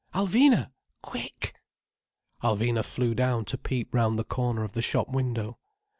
"Alvina! Quick!" Alvina flew down to peep round the corner of the shop window.